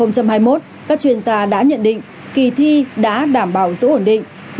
các chuyên gia đã nhận định kỳ thi đã đảm bảo giữ ổn định